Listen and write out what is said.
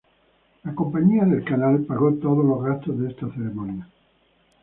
La compañía del canal pagó todos los gastos de esta ceremonia.